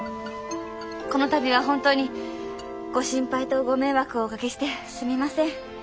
この度は本当にご心配とご迷惑をおかけしてすみません。